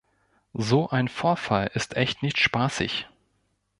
So ein Vorfall ist echt nicht spaßig.